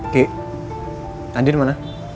ki andi dimana